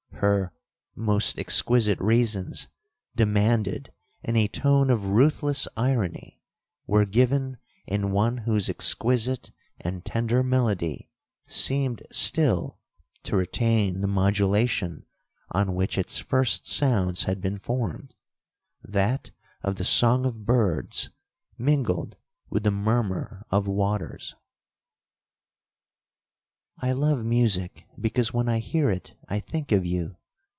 Her 'most exquisite reasons,' demanded in a tone of ruthless irony, were given in one whose exquisite and tender melody seemed still to retain the modulation on which its first sounds had been formed,—that of the song of birds, mingled with the murmur of waters. 'I love music, because when I hear it I think of you.